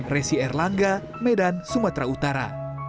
resi erlangga medan sumatera utara